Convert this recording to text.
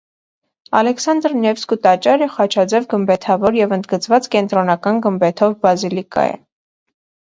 Ալեքսանդր Նևսկու տաճարը խաչաձև գմբեթավոր և ընդգծված կենտրոնական գմբեթով բազիլիկա է։